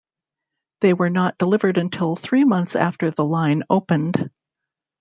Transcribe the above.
They were not delivered until three months after the line opened.